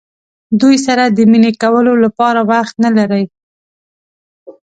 دوی سره د مینې کولو لپاره وخت نه لرئ.